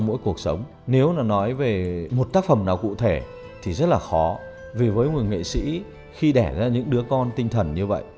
vì với một người nghệ sĩ khi đẻ ra những đứa con tinh thần như vậy